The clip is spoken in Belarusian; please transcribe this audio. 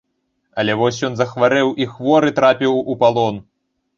Але вось ён захварэў і хворы трапіў у палон.